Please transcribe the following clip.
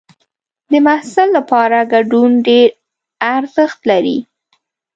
د محصل لپاره ګډون ډېر ارزښت لري.